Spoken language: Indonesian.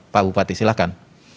pak bupati silakan